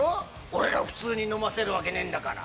俺が普通に飲ませるわけねえんだから。